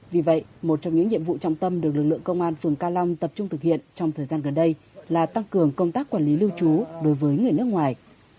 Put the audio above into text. vì vậy một trong những nhiệm vụ trọng tâm được lực lượng công an phường ca long tập trung thực hiện trong thời gian gần đây là tăng cường công tác quản lý lưu trú đối với người nước ngoài